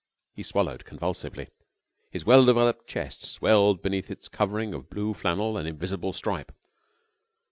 He swallowed convulsively. His well developed chest swelled beneath its covering of blue flannel and invisible stripe.